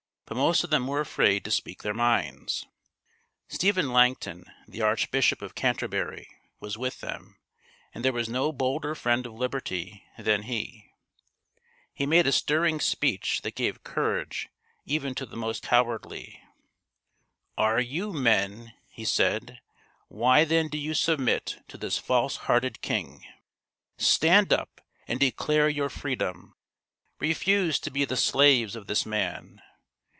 But most of them were afraid to speak their minds. Stephen Langton, the Archbishop of Canterbury, was with them, and there was no bolder friend of liberty than he. He made a stirring speech that gave courage even to the most cowardly. ii8 KING JOHN AND THE MAGNA CHARTA 119 " Are you men ?" he said. " Why then do you submit to this false hearted king? Stand up and declare your freedom. Refuse to be the slaves of this man.